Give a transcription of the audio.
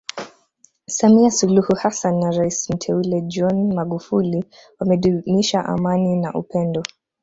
Samia Suluhu Hassan na rais Mteule John Magufuli wamedumisha amani na upendo